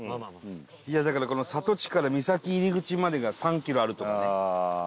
だからこの里地から岬入口までが３キロあるとかね。